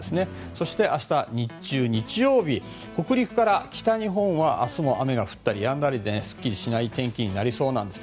そして、明日日中日曜日、北陸から北日本は明日も雨が降ったりやんだりですっきりしない天気になりそうです。